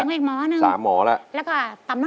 แอสเต็มก็อีกหมอนึง